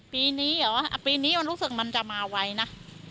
ปีนี้เหรอปีนี้มันรู้สึกมันจะมาไวนะ